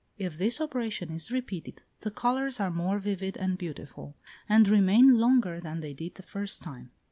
If this operation is repeated, the colours are more vivid and beautiful, and remain longer than they did the first time.